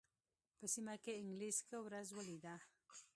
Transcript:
په سیمه کې انګلیس ښه ورځ ولېده.